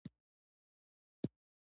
خیرات کول د خدای رضا ده.